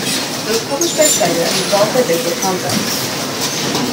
It was published by Sega and developed by Visual Concepts.